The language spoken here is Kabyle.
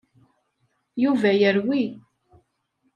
Yuba yerwi.